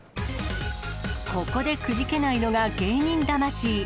ここでくじけないのが芸人魂。